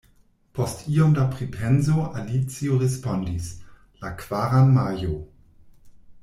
Post iom da pripenso Alicio respondis: la kvaran Majo.